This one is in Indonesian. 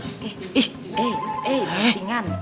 eh eh eh bisingan